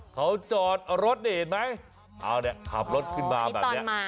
เขาจอดรถนี่เห็นไหมเอาเนี้ยขับรถขึ้นมาแบบนี้อ๋ออันนี้ตอนมา